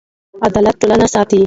عدالت ټولنه ساتي.